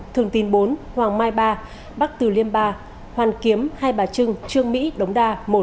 thường tín bốn hoàng mai ba bắc từ liêm ba hoàn kiếm hai bà trưng trương mỹ đống đa